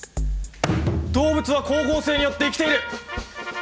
「動物は光合成によって生きている！」。